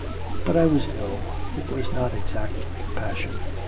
But I was ill, it was not exactly passion.